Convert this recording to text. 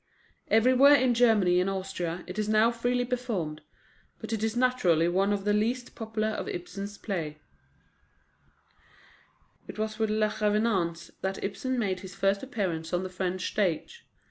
Everywhere in Germany and Austria it is now freely performed; but it is naturally one of the least popular of Ibsen's plays. It was with Les Revenants that Ibsen made his first appearance on the French stage.